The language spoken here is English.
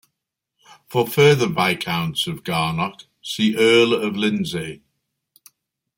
For further Viscounts of Garnock, see Earl of Lindsay.